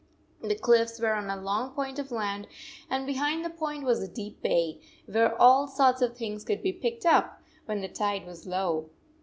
The cliffs were on a long point of land, and behind the point was a deep bay, where all sorts of things could be picked up, when the tide was low.